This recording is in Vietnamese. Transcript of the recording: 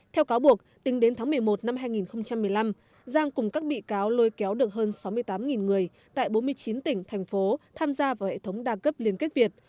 theo cáo buộc tính đến tháng một mươi một năm hai nghìn một mươi năm giang cùng các bị cáo lôi kéo được hơn sáu mươi tám người tại bốn mươi chín tỉnh thành phố tham gia vào hệ thống đa cấp liên kết việt